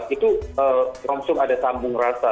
itu langsung ada sambung rasa